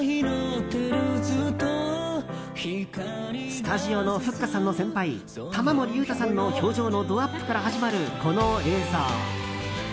スタジオのふっかさんの先輩玉森裕太さんの表情のドアップから始まるこの映像。